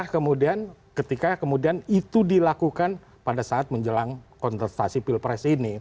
kemudian ketika kemudian itu dilakukan pada saat menjelang kontestasi pilpres ini